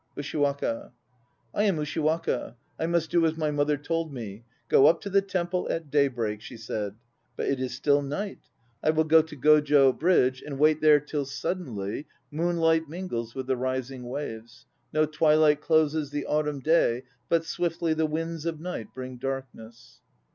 USHIWAKA. I am Ushiwaka. I must do as my mother told me; "Go up to the Temple x at daybreak," she said. But it is still night. I will go to 1 The Kurama Temple. BENKEI ON THE BRIDGE 83 Gojo Bridge and wait there till suddenly Moonlight mingles with the rising waves; No twilight closes The autumn day, but swiftly The winds of night bring darkness.